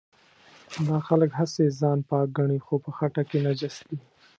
دا خلک هسې ځان پاک ګڼي خو په خټه کې نجس دي.